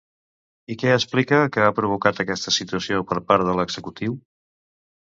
I què explica que ha provocat aquesta situació per part de l'executiu?